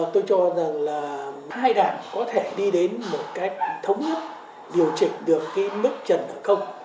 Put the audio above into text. tôi cho rằng là hai đảng có thể đi đến một cách thống nhất điều chỉnh được cái mức trần được không